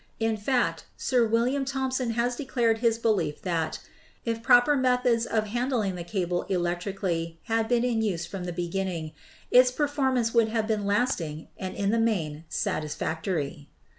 In fact, Sir William Thomson has declared his belief that, if proper methods of handling the cable electrically had been in use from the beginning, its performance would have been lasting and in the main satisfactory.